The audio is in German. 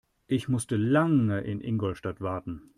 Ich musste lange in Ingolstadt warten